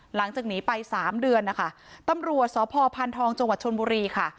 หลังจากหนีไปสามเดือนนะคะตำรวจสพพานทองจังหวัดชนบุรีค่ะ